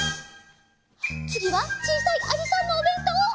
つぎはちいさいありさんのおべんとう！